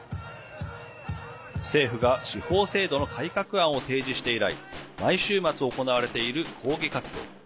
政府が司法制度の改革案を提示して以来毎週末行われている抗議活動。